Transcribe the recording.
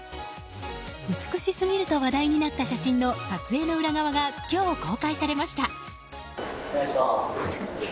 美しすぎると話題になった写真の撮影の裏側が今日、公開されました。